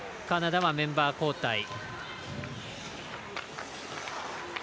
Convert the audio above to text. カナダはメンバー交代。